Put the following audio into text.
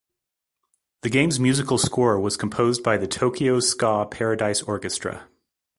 The game's musical score was composed by the Tokyo Ska Paradise Orchestra.